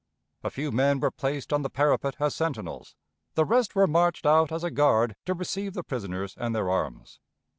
A few men were placed on the parapet as sentinels, the rest were marched out as a guard to receive the prisoners and their arms.